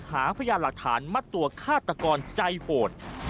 หาพยานหลักฐานมัดตัวฆาตกรใจโหด